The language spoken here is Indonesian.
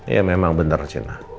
ya memang benar sienna